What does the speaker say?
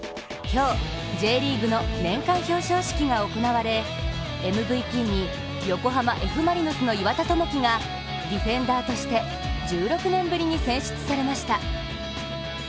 今日、Ｊリーグの年間表彰式が行われ、ＭＶＰに横浜Ｆ・マリノスの岩田智輝がディフェンダーとして１６年ぶりに選出されました。